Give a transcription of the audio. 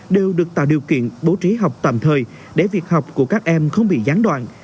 đều được tạo điều kiện bố trí học tạm thời để việc học của các em không bị gián đoạn